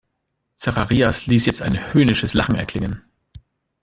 Zacharias ließ jetzt ein höhnisches Lachen erklingen.